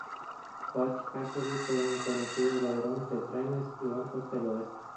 Butch Cassidy fue un conocido ladrón de trenes y bancos del Oeste.